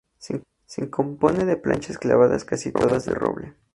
Se compone de planchas clavadas, casi todas de roble.